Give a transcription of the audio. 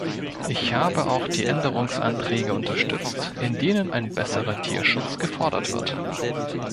Ich habe auch die Änderungsanträge unterstützt, in denen ein besserer Tierschutz gefordert wird.